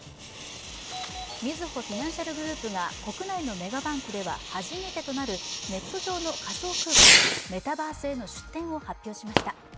みずほフィナンシャルグループが国内のメガバンクでは初めてとなるネット上の仮想空間、メタバースへの出店を発表しました。